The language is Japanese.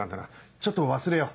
ちょっと忘れよう。